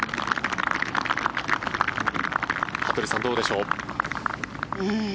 服部さん、どうでしょう。